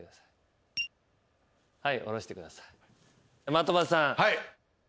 的場さん。